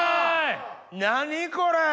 何これ！